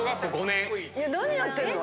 何やってるの？